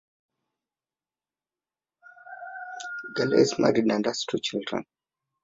Galea is married and has two children.